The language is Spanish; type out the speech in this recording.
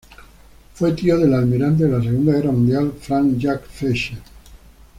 Fue tío del Almirante de la Segunda Guerra Mundial Frank Jack Fletcher.